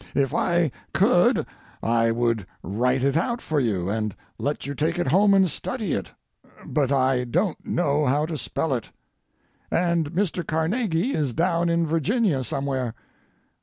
If I could I would write it out for you and let you take it home and study it, but I don't know how to spell it. And Mr. Carnegie is down in Virginia somewhere.